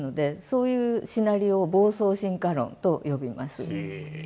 そういうシナリオを暴走進化論と呼びます。